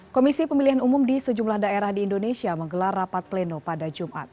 komisi pemilihan umum di sejumlah daerah di indonesia menggelar rapat pleno pada jumat